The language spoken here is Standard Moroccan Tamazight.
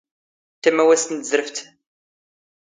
ⵜⴰⵎⴰⵡⴰⵙⵜ ⵏ ⵜⵣⵔⴼⵜ.